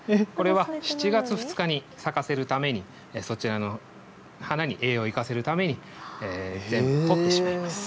これは７月２日に咲かせるのためにそちらの花に栄養を行かせるために全部、取ってしまいます。